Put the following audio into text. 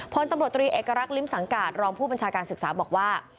พลตำรวจตรีเอกลักษิมสังการรองผู้บัญชาการศึกษาบอกว่า